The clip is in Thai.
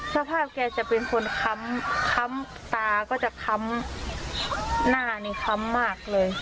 สภาพแกจะเป็นคนค้ำค้ำตาก็จะค้ำหน้านี่ค้ำมากเลย